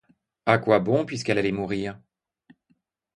À quoi bon, puisqu’elle allait mourir?